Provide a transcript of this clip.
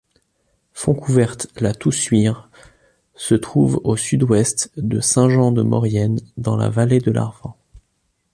Fontcouverte-la-Toussuire se trouve au sud-ouest de Saint-Jean-de-Maurienne, dans la vallée de l'Arvan.